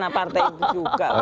nah partai itu juga